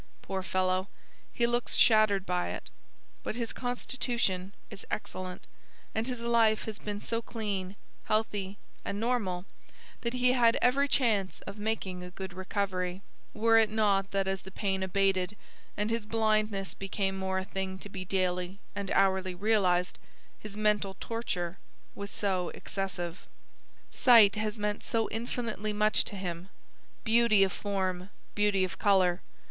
Poor fellow, he looks shattered by it. But his constitution is excellent, and his life has been so clean, healthy, and normal, that he had every chance of making a good recovery, were it not that as the pain abated and his blindness became more a thing to be daily and hourly realised, his mental torture was so excessive. Sight has meant so infinitely much to him, beauty of form, beauty of colour.